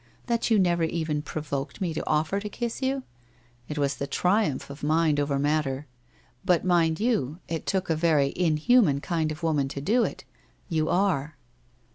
That you never even provoked me to offer to kiss you! It was the triumph of mind over matter. But mind you, it took a very in human kind of woman to do it. You are.'